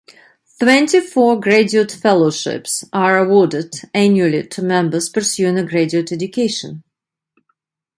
Twenty four Graduate Fellowships are awarded annually to members pursuing a graduate education.